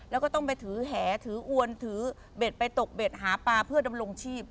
แล้วก็ต้องไปถือแหถืออวนถือเบ็ดไปตกเบ็ดหาปลาเพื่อดำรงชีพ